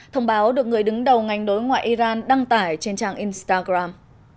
thông báo được người đứng đầu ngành đối ngoại iran đăng tải trên trang instagram